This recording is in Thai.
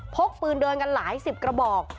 พกปืนเดินกันหลายสิบกระบอก